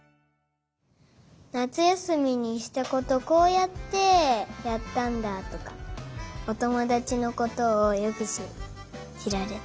なつやすみにしたことこうやってやったんだとかおともだちのことをよくしられた。